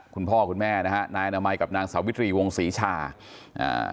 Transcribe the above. คุณพ่อคุณแม่นะฮะนายอนามัยกับนางสาวิตรีวงศรีชาอ่า